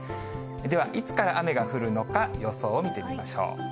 では、いつから雨が降るのか、予想を見てみましょう。